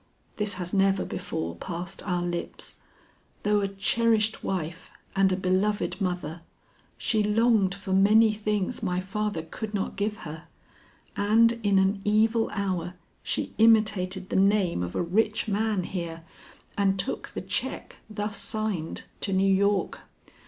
"This has never before passed our lips. Though a cherished wife and a beloved mother, she longed for many things my father could not give her, and in an evil hour she imitated the name of a rich man here and took the check thus signed to New York.